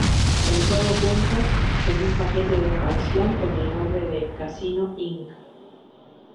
El juego cuenta con un paquete de expansión con el nombre de "Casino Inc.